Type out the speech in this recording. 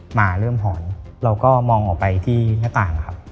หมาเริ่มหอนเราก็มองออกไปที่หน้าต่างนะครับ